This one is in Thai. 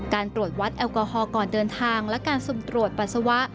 การตรวจวัดแอลกอฮอลก่อนเดินทางและการสุ่มตรวจปัสสาวะ